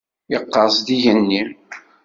Yeqqers-d yigenni.